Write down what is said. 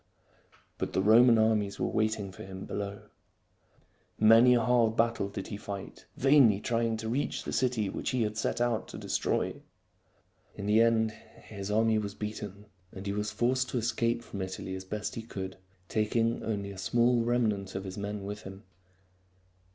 But the Roman armies were waiting for him below. Many a hard battle did he fight, vainly trying to reach the city which he had set out to destroy. In the end his army was beaten, and he was forced to escape from Italy as best he could, taking only a small remnant of his men with him.